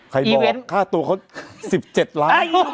ใครบอกค่าตัวเค้า๑๗ล้าน